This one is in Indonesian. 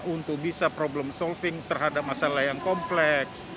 untuk bisa problem solving terhadap masalah yang kompleks